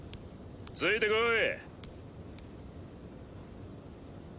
ついてこい。